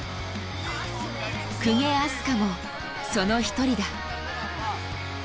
公家明日香もその一人だ。